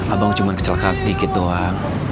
abang cuma kecelakaan sedikit doang